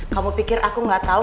kamu pikir aku gak tau